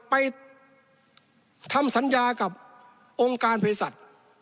ไปทำสัญญากับองค์การพฤษัท